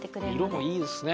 色もいいですね。